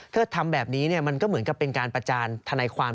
ถ้าทำแบบนี้มันก็เหมือนกับเป็นการประจานธนายความ